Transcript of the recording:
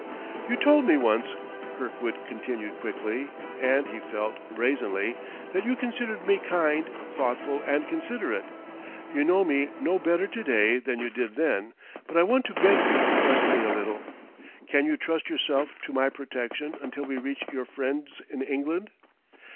"You told me once," Kirkwood continued quickly, and, he felt, brazenly, "that you considered me kind, thoughtful and considerate. You know me no better to day than you did then, but I want to beg you to trust me a little. Can you trust yourself to my protection until we reach your friends in England?"